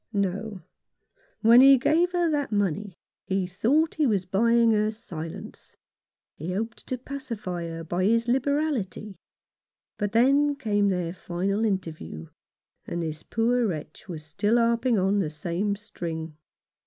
No ! When he gave her that money he thought he was buying her silence. He hoped to pacify her by his liberality — but then came their final interview, and this poor wretch was still harping on the same string.